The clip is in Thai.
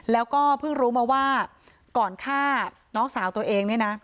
แล้วก็เพิ่งรู้มาว่าก่อนฆ่าน้องสาวตัวเองเนี่ยนะ